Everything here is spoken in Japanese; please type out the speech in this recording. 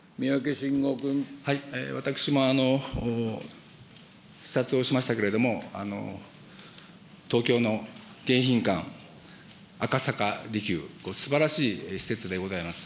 私も視察をしましたけども、東京の迎賓館、赤坂離宮、すばらしい施設でございます。